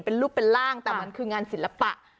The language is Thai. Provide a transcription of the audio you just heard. เป็นรูปเป็นร่างแต่มันคืองานศิลปะ